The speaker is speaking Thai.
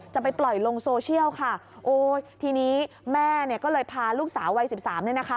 จะไปปล่อยลงโซเชียลค่ะโอ้ยทีนี้แม่เนี่ยก็เลยพาลูกสาววัยสิบสามเนี่ยนะคะ